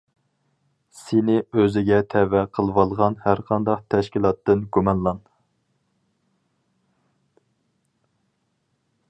سېنى ئۆزىگە تەۋە قىلىۋالغان ھەرقانداق تەشكىلاتتىن گۇمانلان.